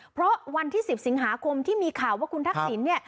เพราะวันที่๑๐สิงหาคมที่มีข่าวว่าคุณทักษิณเนี่ย